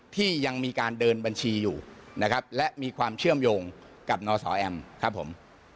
ที่ยังมีการเดินบัญชีอยู่และมีความเชื่อมโยงกับนสแอม